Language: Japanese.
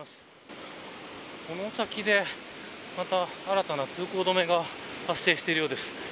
この先で新たな通行止めが発生しているようです。